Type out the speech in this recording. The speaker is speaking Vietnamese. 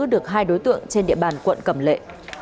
được hai đối tượng trên địa bàn quận cẩm lệ